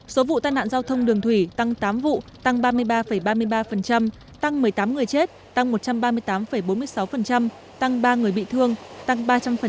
số vụ tai nạn giao thông đường thủy tăng tám vụ tăng ba mươi ba ba mươi ba tăng một mươi tám người chết tăng một trăm ba mươi tám bốn mươi sáu tăng ba người bị thương tăng ba trăm linh